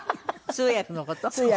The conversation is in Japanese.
通訳の事。